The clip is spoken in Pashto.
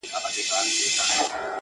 زه د غم تخم کرمه او ژوندی پر دنیا یمه٫